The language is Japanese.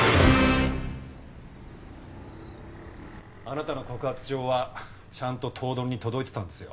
あなたの告発状はちゃんと頭取に届いてたんですよ。